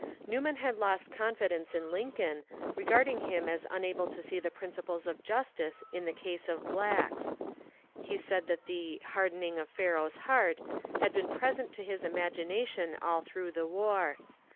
Newman had lost confidence in Lincoln, regarding him as ^ FRANCIS NEWMAN 445 unable to see tbe principles of justice in the case of blacks. He said that the ^' hardening of Pharaoh's heart " had been present to his imagination all through the war.